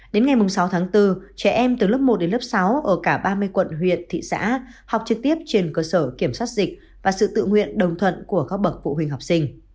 đến ngày sáu tháng bốn trẻ em từ lớp một đến lớp sáu ở cả ba mươi quận huyện thị xã học trực tiếp trên cơ sở kiểm soát dịch và sự tự nguyện đồng thuận của các bậc phụ huynh học sinh